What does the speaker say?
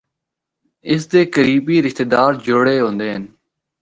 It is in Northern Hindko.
اس دے قریبی رشتہ دار جِڑے ہوندے ہن۔